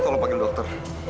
tolong pake dokter